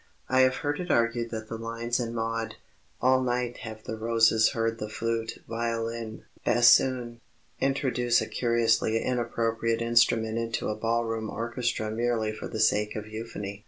I have heard it argued that the lines in Maud: All night have the roses heard The flute, violin, bassoon; introduce a curiously inappropriate instrument into a ball room orchestra merely for the sake of euphony.